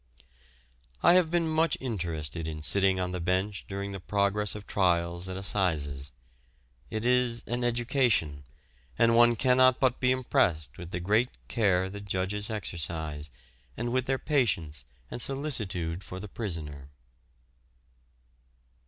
I have been much interested in sitting on the bench during the progress of trials at Assizes. It is an education, and one cannot but be impressed with the great care the judges exercise, and with their patience and solicitude for the prisoner.